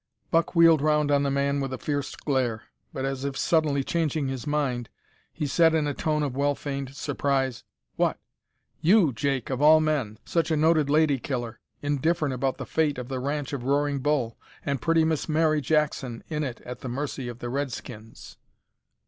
Buck wheeled round on the man with a fierce glare, but, as if suddenly changing his mind, he said in a tone of well feigned surprise "What! you, Jake, of all men such a noted lady killer indifferent about the fate of the ranch of Roaring Bull, and pretty Miss Mary Jackson in it at the mercy of the Redskins!"